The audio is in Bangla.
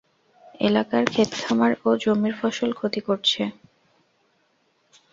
এলাকার খেতখামার ও জমির ফসল ক্ষতি করছে।